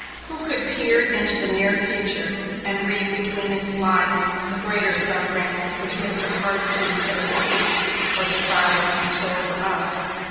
Who could peer into the near future and read between its lines the greater suffering which Mr. Hardcoop had escaped, or the trials in store for us?